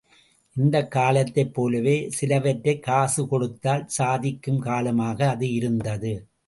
இந்தக் காலத்தைப் போலவே சிலவற்றைக் காசு கொடுத்தால் சாதிக்கும் காலமாக அது இருந்தது.